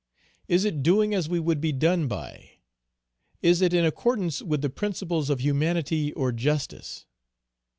Is it doing as we would be done by? Is it in accordance with the principles of humanity or justice?